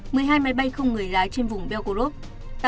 một mươi hai máy bay không người lái trên vùng belgrov